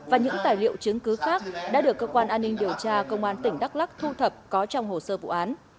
và những tài liệu chứng cứ khác đã được cơ quan an ninh điều tra công an tỉnh đắk lắc thu thập có trong hồ sơ vụ án